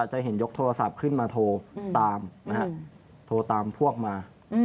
จะเห็นยกโทรศัพท์ขึ้นมาโทรตามพวกมา